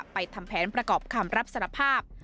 ทำแผนประกอบคำรับสารภาพ